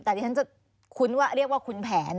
ท่านจะคุ้นกับคุณแผน